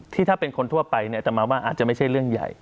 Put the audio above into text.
ถ้าเป็นคนทั่วไปเนี่ยต่อมาว่าอาจจะไม่ใช่เรื่องใหญ่